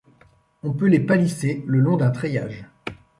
On peut les palisser le long d'un treillage.